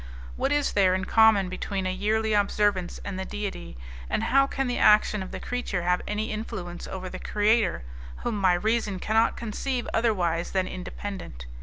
What is there in common between a yearly observance and the Deity, and how can the action of the creature have any influence over the Creator, whom my reason cannot conceive otherwise than independent?